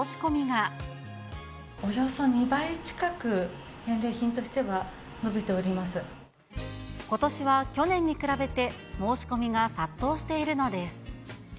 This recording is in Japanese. およそ２倍近く、返礼品としことしは去年に比べて、申し込みが殺到しているのです。